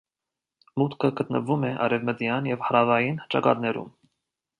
Մուտքը գտնվում է արևմտյան և հարավային ճակատներում։